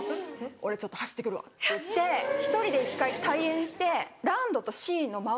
「俺ちょっと走ってくるわ」って言って１人で一回退園してランドとシーの周り